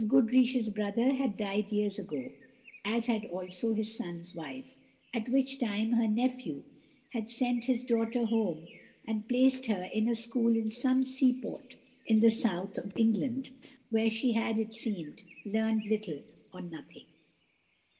Goodriche's brother had died years ago, as had also his son's wife; at which time her nephew had sent his daughter home and placed her in a school in some seaport in the south of England, where she had, it seems, learned little or nothing.